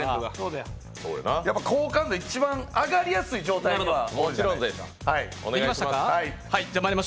好感度が一番上がりやすいのが。